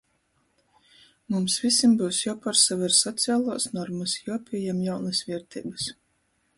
Mums vysim byus juopuorsaver socialuos normys, juopījem jaunys vierteibys.